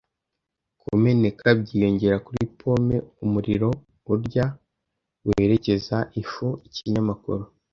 Kumeneka byiyongera kuri pompe, umuriro urya werekeza ifu-ikinyamakuru.